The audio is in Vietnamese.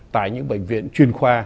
tại những bệnh viện truyền khoa